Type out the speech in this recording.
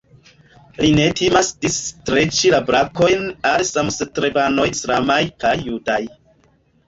Li ne timas disstreĉi la brakojn al samstrebanoj islamaj kaj judaj.